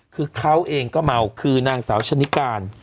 คือเขาเองก็เมาคือนางสาวชะนิการ